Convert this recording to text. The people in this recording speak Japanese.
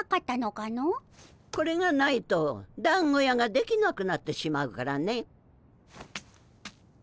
これがないとだんご屋ができなくなってしまうからね。